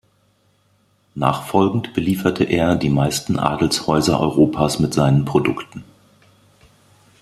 Nachfolgend belieferte er die meisten Adelshäuser Europas mit seinen Produkten.